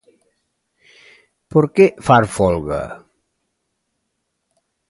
Por que fas folga?